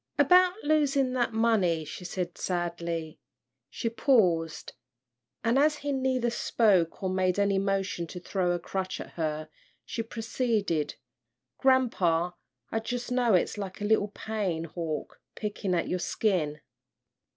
"About losin' that money," she said, sadly. She paused, and as he neither spoke or made any motion to throw a crutch at her, she proceeded, "Grampa, I jus' know it's like a little pain hawk pickin' at your skin."